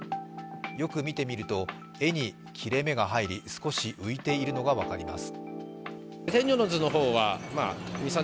よく見てみると、絵に切れ目が入り、少し浮いているのが分かります。